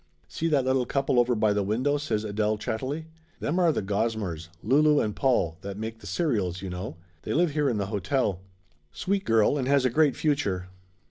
"See that little couple over by the window?" says Adele chattily. "Them are the Gosmers Lulu and Paul that make the serials, you know. They live here in the hotel. Sweet girl, and has a great future